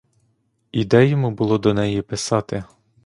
І де йому було до неї писати?